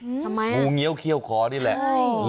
ทำไมงูเงี้ยวเขี้ยวคอนี่แหละ